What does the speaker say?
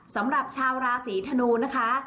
สำหรับชาวราศีธนูนะคะ